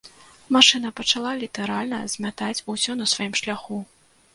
Машына пачала літаральна змятаць усё на сваім шляху.